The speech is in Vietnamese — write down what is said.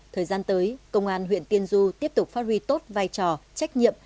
thời gian tới công an huyện tiên du tiếp tục phát huy tốt vai trò trách nhiệm